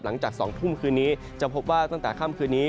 หลังจาก๒ทุ่มคืนนี้จะพบว่าตั้งแต่ค่ำคืนนี้